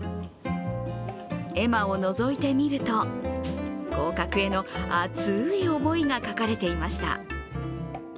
絵馬をのぞいてみると合格への熱い思いが書かれていました。